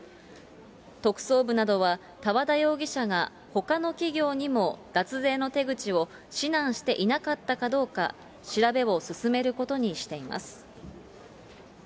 特捜部などは多和田容疑者がほかの企業にも脱税の手口を指南していなかったかどうか調べを進めることにしています。